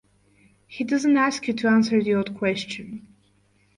He doesn't ask you to answer the old question.